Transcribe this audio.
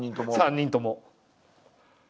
３人とも。